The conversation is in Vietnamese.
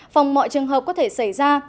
phòng mọi trường hợp có thể xảy ra